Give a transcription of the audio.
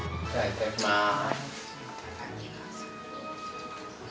いただきます。